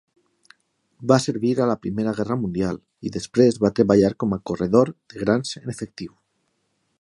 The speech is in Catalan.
Va servir a la Primera Guerra Mundial i després va treballar com a corredor de grans en efectiu.